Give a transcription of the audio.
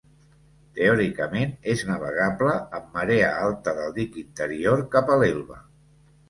Teòricament és navegable amb marea alta del dic interior cap a l'Elba.